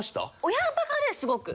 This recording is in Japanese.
親バカですごく。